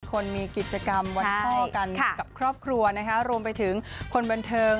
คนมีกิจกรรมวันพ่อกันกับครอบครัวนะคะรวมไปถึงคนบันเทิง